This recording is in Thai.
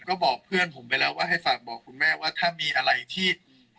ก็บอกเพื่อนผมไปแล้วว่าให้ฝากบอกคุณแม่ว่าถ้ามีอะไรที่